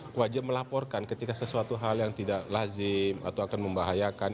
kewajiban melaporkan ketika sesuatu hal yang tidak lazim atau akan membahayakan